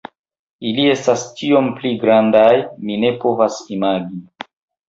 Ili estas tiom pli grandaj, mi ne povas imagi.